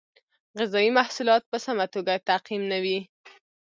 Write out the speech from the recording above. غذایي محصولات په سمه توګه تعقیم نه وي.